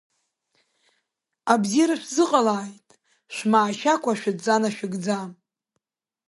Абзиара шәзыҟалааит, шәмаашьакәа шәыдҵа нашәыгӡа…